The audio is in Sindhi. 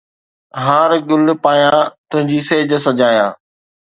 ھار ڳل پايان تنهنجي سيج سجايان